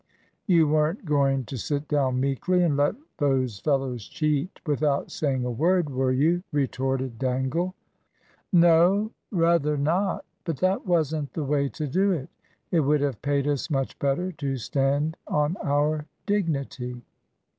"You weren't going to sit down meekly, and let those fellows cheat without saying a word, were you?" retorted Dangle. "No rather not. But that wasn't the way to do it. It would have paid us much better to stand on our dignity."